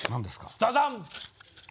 ザザン！